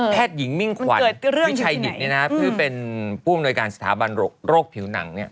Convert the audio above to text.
หญิงมิ่งขวัญวิชัยดิตซึ่งเป็นผู้อำนวยการสถาบันโรคผิวหนัง